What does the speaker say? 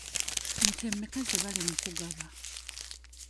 Nte mmeka ze bali mu kugaba?